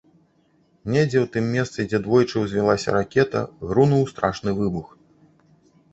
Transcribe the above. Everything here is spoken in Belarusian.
Недзе ў тым месцы, дзе двойчы ўзвілася ракета, грунуў страшны выбух.